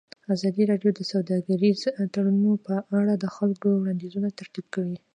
ازادي راډیو د سوداګریز تړونونه په اړه د خلکو وړاندیزونه ترتیب کړي.